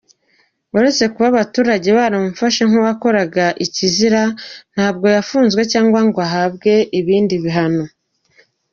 Uretse kuba abaturage baramufashe nk’uwakoraga ikizira, ntabwo yafunzwe cyangwa ngo ahabwe ibindi bihano.